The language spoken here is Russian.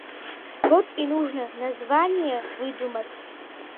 Вот и нужно название выдумать.